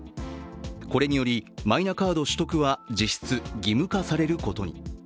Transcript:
これによりマイナカード取得は実質、義務化されることに。